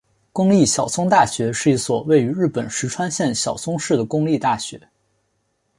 公立小松大学是一所位于日本石川县小松市的公立大学。